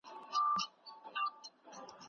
خو افراط به تاوان وکړي.